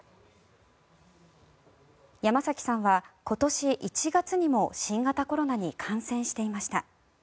山崎さんは今年１月にも新型コロナに感染していました。